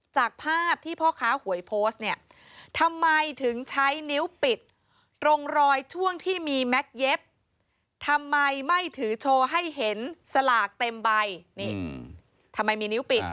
จากภาพที่พ่อค้าหวยโพสต์เนี่ยทำไมถึงใช้นิ้วปิดตรงรอยช่วงที่มีแม็กซ์เย็บทำไมไม่ถือโชว์ให้เห็นสลากเต็มใบนี่ทำไมมีนิ้วปิด